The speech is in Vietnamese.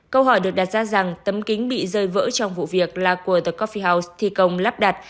câu hỏi được đặt ra rằng tấm kính bị rơi vỡ trong vụ việc là của the coffeos thi công lắp đặt